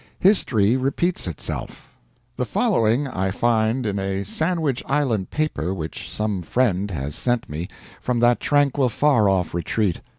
HISTORY REPEATS ITSELF The following I find in a Sandwich Island paper which some friend has sent me from that tranquil far off retreat.